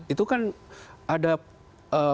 itu kan ada perkembangan